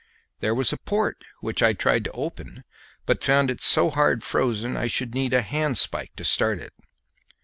There was a port which I tried to open, but found it so hard frozen I should need a handspike to start it.